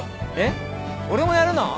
俺もやるの？